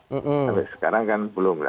sampai sekarang kan belum